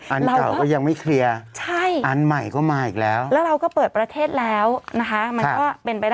อันนี้เป็นต้นนั่นเอง